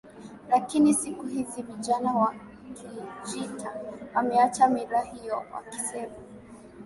Lakini siku hizi vijana wa Kijita wameacha mila hiyo wakisema